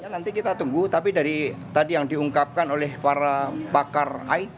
nanti kita tunggu tapi dari tadi yang diungkapkan oleh para pakar it